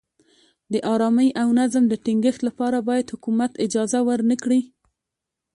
د ارامۍ او نظم د ټینګښت لپاره باید حکومت اجازه ورنه کړي.